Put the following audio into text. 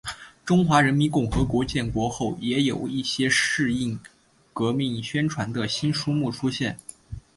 中华人民共和国建国后也有一些适应革命宣传的新书目出现。